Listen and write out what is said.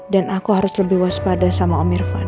dan aku harus lebih waspada sama om irfan